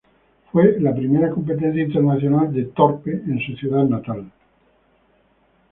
Fue la primera competencia internacional de Thorpe en su ciudad natal.